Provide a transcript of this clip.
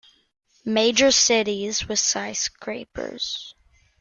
Major cities with skyscrapers.